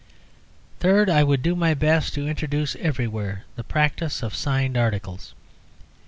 Third, I would do my best to introduce everywhere the practice of signed articles.